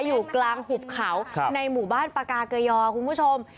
อยู่กลางหุบเขาในหมู่บ้านปากาเกยอคุณผู้ชม